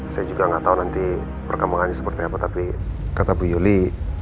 saya juga ngga tau nanti perkabungannya seperti apa tapi kata bu yuli